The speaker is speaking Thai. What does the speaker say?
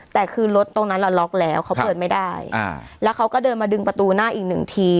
แต่คือรถตรงนั้นเราล็อกแล้วเขาเปิดไม่ได้แล้วเขาก็เดินมาดึงประตูหน้าอีกหนึ่งที